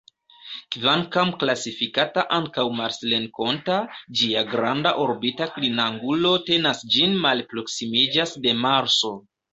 Kvankam klasifikata ankaŭ marsrenkonta, ĝia granda orbita klinangulo tenas ĝin malproksimiĝas de Marso.